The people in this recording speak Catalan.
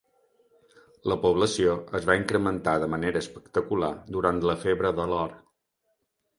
La població es va incrementar de manera espectacular durant la febre de l'or.